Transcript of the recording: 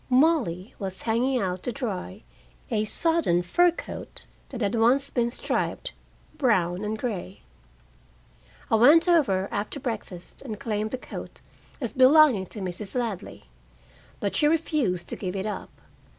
Molly was hanging out to dry a sodden fur coat, that had once been striped, brown and gray. I went over after breakfast and claimed the coat as belonging to Mrs. Ladley. But she refused to give it up.